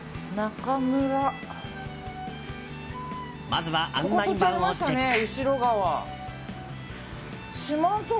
まずは案内板をチェック。